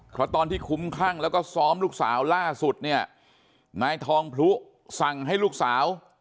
เพราะตอนที่คุ้มคลั่งแล้วก็ซ้อมลูกสาวล่าสุดเนี่ยนายทองพลุสั่งให้ลูกสาว